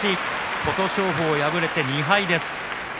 琴勝峰、敗れて２敗です。